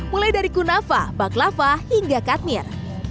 mulai dari kunafa baklava hingga katmir